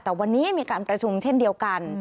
แต่วันนี้มีการประชุมเช่นเดียวกัน